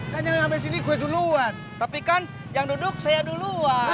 kan jangan sampai sini gue duluan tapi kan yang duduk saya duluan